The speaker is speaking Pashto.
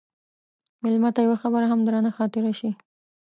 مېلمه ته یوه خبره هم درنه خاطره شي.